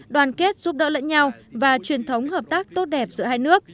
đoàn kết giúp đỡ lẫn nhau và truyền thống hợp tác tốt đẹp giữa hai nước